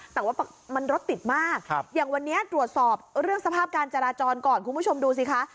แต่ว่ามันรถติดมากอย่างวันนี้ตรวจสอบเรื่องสภาพการจราจรก่อนคุณผู้ชมดูสิคะ